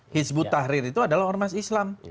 hizbut tahrir itu adalah ormas islam